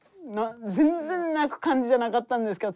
全然泣く感じじゃなかったんですけど。